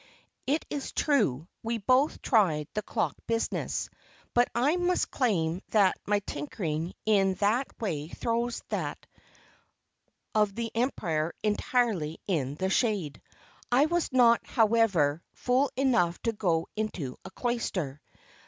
It is true, we both tried the "clock business;" but I must claim that my tinkering in that way throws that of the Emperor entirely in the shade. I was not, however, fool enough to go into a cloister.